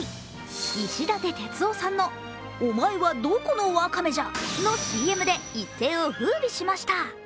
石立鉄男さんの「お前はどこのわかめじゃ？」のＣＭで一世をふうびしました。